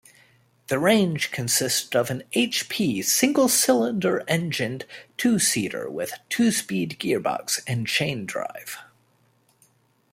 The range consisted of a hp single-cylinder-engined two-seater with two-speed gearbox and chain drive.